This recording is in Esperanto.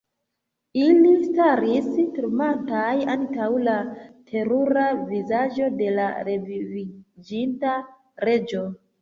Ili staris tremantaj antaŭ la terura vizaĝo de la reviviĝinta Reĝo.